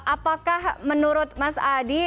apakah menurut mas adi